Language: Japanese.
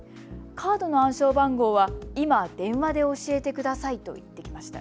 カードの暗証番号は今、電話で教えてくださいと言ってきました。